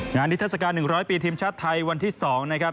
นิทัศกาล๑๐๐ปีทีมชาติไทยวันที่๒นะครับ